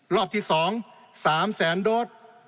รอบที่สอง๓๐๐๐๐๐โดส